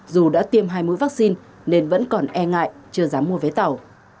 dù đã tiêm hai mũi vắc xin nên vẫn còn e ngại chưa dám mua vé tàu